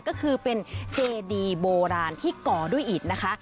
ก็คือเป็นเจดีโบราณที่ก่อด้วยอิดนะคะ